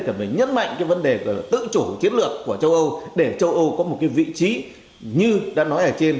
cần phải nhấn mạnh cái vấn đề tự chủ chiến lược của châu âu để châu âu có một cái vị trí như đã nói ở trên